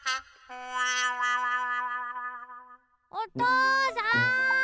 おとうさん！